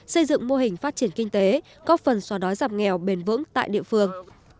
xây dựng mô hình phát triển kinh tế góp phần xóa đói giảm nghèo bền vững tại địa phương